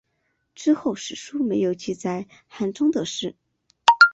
之后史书没有记载韩忠的事。